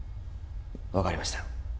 分かりました